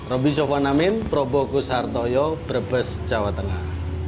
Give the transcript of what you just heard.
roby sofwan amin probokus hartoyo brebes jawa tengah